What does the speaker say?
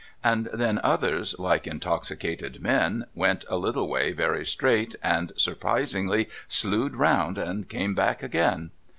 And then others, like intoxicated men, went a little way very straight, and surprisingly slued round and came back again.